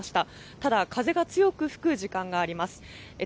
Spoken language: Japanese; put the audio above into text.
ただ風が強く吹く時間があります。